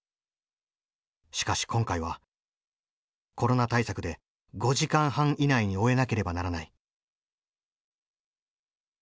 しかし今回はコロナ対策で５時間半以内に終えなければならない。